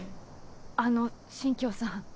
あの進京さん